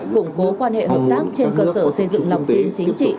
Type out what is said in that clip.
củng cố quan hệ hợp tác trên cơ sở xây dựng lòng tin chính trị